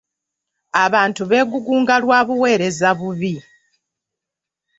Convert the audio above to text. Abantu beegugunga lwa buweereza bubi.